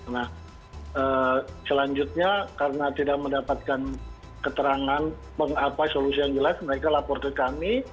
nah selanjutnya karena tidak mendapatkan keterangan apa solusi yang jelas mereka lapor ke kami